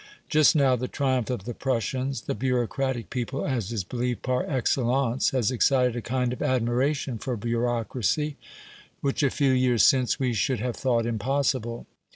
Just now, the triumph of the Prussians the bureaucratic people, as is believed, par excellence has excited a kind of admiration for bureaucracy, which a few years since we should have thought impossible.